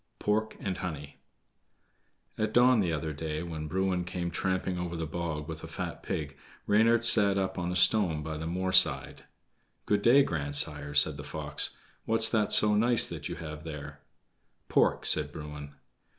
Pork and Honey At dawn the other day, when Bruin came tramping over the bog with a fat pig, Reynard sat up on a stone by the moor side. "Good day, grandsire," said the fox. "What's that so nice that you have there?" "Pork," said Bruin.